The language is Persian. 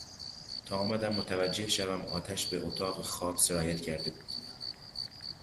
تا آمدم متوجه شوم آتش به اتاق خواب سرایت کرده بود.